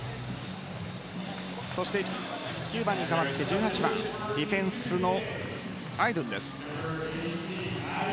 ９番に代わって１８番ディフェンスのアイドゥンです。